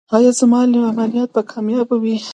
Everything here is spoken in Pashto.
ایا زما عملیات به کامیابه وي؟